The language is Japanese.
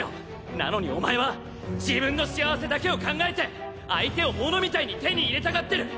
なのにお前は自分の幸せだけを考えて相手を物みたいに手に入れたがってる。